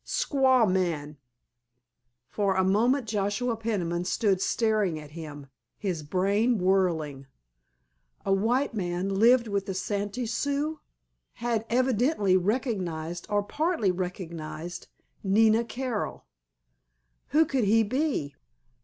"Squaw man." For a moment Joshua Peniman stood staring at him, his brain whirling. A white man—lived with the Santee Sioux! Had evidently recognized—or partly recognized—Nina Carroll! Who could he be?